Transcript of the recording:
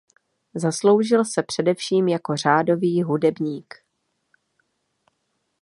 Zasloužil se především jako řádový hudebník.